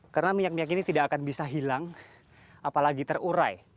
karena minyak minyak ini tidak akan bisa hilang apalagi terurai